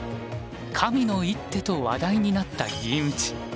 「神の一手」と話題になった銀打ち。